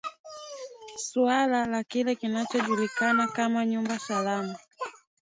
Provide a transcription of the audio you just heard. suala la kile kinachojulikana kama nyumba salama